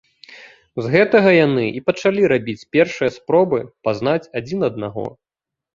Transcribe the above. З гэтага яны і пачалі рабіць першыя спробы пазнаць адзін аднаго.